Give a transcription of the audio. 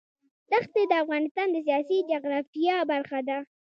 دښتې د افغانستان د سیاسي جغرافیه برخه ده.